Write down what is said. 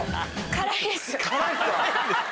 「辛いです」。